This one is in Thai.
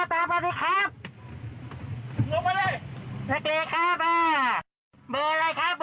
เบล่อะไรครับเบล่อะไร